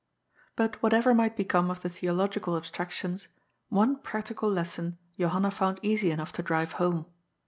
But, whatever might become of the theological abstrac tions, one practical lesson Johanna found easy enough to drive home.